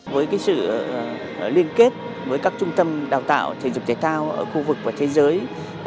với sự liên kết với các trung tâm đào tạo thể dục thể thao ở khu vực và thế giới